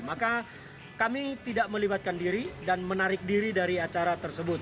maka kami tidak melibatkan diri dan menarik diri dari acara tersebut